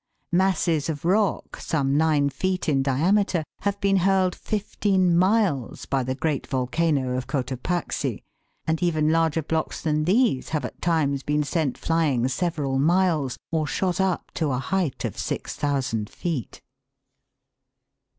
Masses of rock, some nine feet in diameter, have been hurled fifteen miles by the great volcano of Cotopaxi, and even larger blocks than these have at times been sent flying several miles, or shot up to a height ot 6,000 feet.